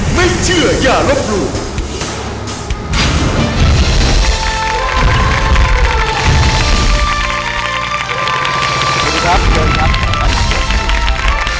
สวัสดีครับเชิญครับ